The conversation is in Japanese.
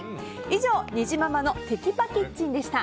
以上、にじままのテキパキッチンでした。